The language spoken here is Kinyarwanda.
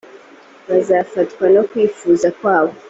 bazafatwa no kwifuza kwabo